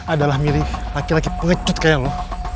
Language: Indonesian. adalah milih laki laki pengecut kayak lu